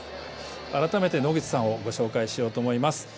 新ためて野口さんを紹介しようと思います。